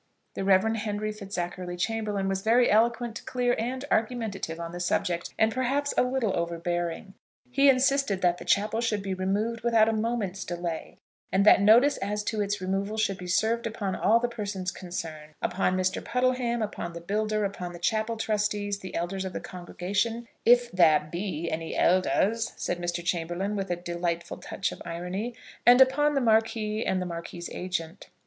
The Rev. Henry Fitzackerly Chamberlaine was very eloquent, clear, and argumentative on the subject, and perhaps a little overbearing. He insisted that the chapel should be removed without a moment's delay; and that notice as to its removal should be served upon all the persons concerned, upon Mr. Puddleham, upon the builder, upon the chapel trustees, the elders of the congregation, "if there be any elders," said Mr. Chamberlaine, with a delightful touch of irony, and upon the Marquis and the Marquis's agent.